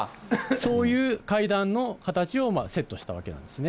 そういう会談の形をセットしたわけなんですね。